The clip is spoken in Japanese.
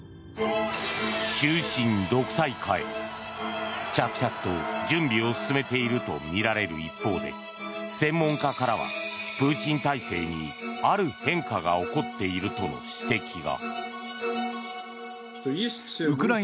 終身独裁化へ、着々と準備を進めているとみられる一方で専門家からは、プーチン体制にある変化が起こっているとの指摘が。